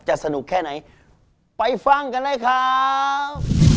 สนุกแค่ไหนไปฟังกันเลยครับ